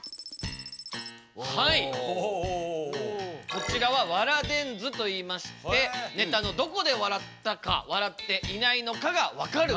こちらは「笑電図」といいましてネタのどこで笑ったか笑っていないのかがわかる。